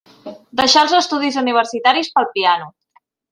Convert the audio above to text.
Deixà els estudis universitaris pel piano.